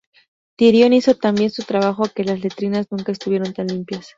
Tyrion hizo tan bien su trabajo, que las letrinas nunca estuvieron tan limpias.